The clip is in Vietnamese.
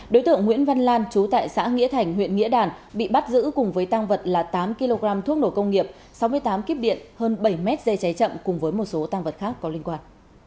đối tượng nguyễn văn lan chú tại xã nghĩa thành huyện nghĩa đàn bị bắt giữ cùng với tăng vật là tám kg thuốc nổ công nghiệp sáu mươi tám kíp điện hơn bảy m dây cháy chậm cùng với một số tăng vật khác có liên quan